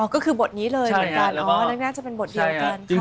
ก็คือบทนี้เลยเหมือนกันน่าจะเป็นบทเดียวเหมือนกัน